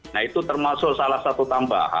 nah itu termasuk salah satu tambahan